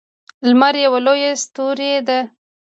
لمر یوه لویه ستوری ده